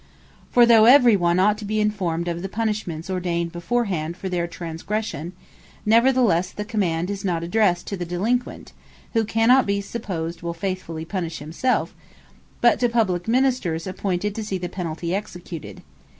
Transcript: For though every one ought to be informed of the Punishments ordained beforehand for their transgression; neverthelesse the Command is not addressed to the Delinquent, (who cannot be supposed will faithfully punish himselfe,) but to publique Ministers appointed to see the Penalty executed.